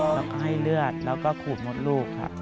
แล้วก็ให้เลือดแล้วก็ขูดมดลูกค่ะ